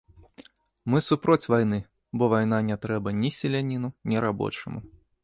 Мы супроць вайны, бо вайна не трэба ні селяніну, ні рабочаму.